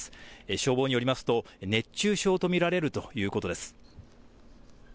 消防によりますと熱中症と見られるということです。